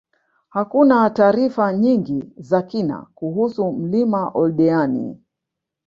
Hakuna taarifa nyingi za kina kuhusu mlima Oldeani